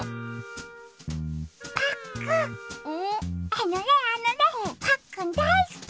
あのねあのねパックンだいすき！